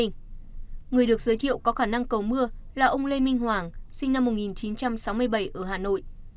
người được giới thiệu có khả năng cầu mưa là ông lê minh hoàng sinh năm một nghìn chín trăm sáu mươi bảy ở hà nội